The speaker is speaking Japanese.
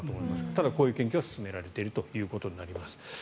ただ、こういう研究が進められているということになります。